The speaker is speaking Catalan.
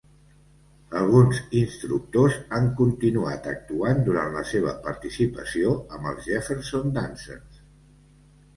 Alguns instructors han continuat actuant durant la seva participació amb els Jefferson Dancers.